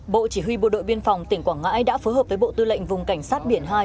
bộ chỉ huy bộ đội biên phòng tỉnh quảng ngãi đã phối hợp với bộ tư lệnh vùng cảnh sát biển hai